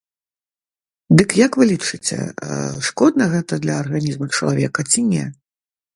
Дык як вы лічыце, шкодна гэта для арганізма чалавека ці не?